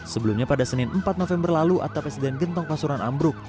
sebelumnya pada senin empat november lalu atap sdn gentong pasuran ambruk